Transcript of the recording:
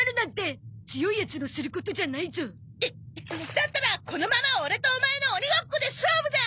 だったらこのままオレとオマエの鬼ごっこで勝負だ！